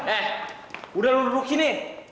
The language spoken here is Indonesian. eh udah lu duduk sini